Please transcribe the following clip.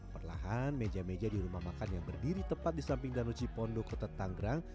perlahan meja meja di rumah makan yang berdiri tepat di samping danau cipondo kota tanggerang